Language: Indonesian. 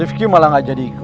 rifki malah gak jadi ikut